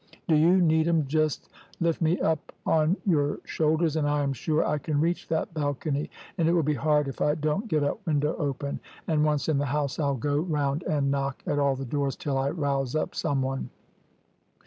`Do you, Needham, just lift me up on your shoulders, and I am sure I can reach that balcony, and it will be hard if I don't get a window open, and once in the house I'll go round and knock at all the doors till I rouse up some one.'